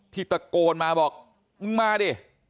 ที่ตะโกนมาบอกมึงมาดิ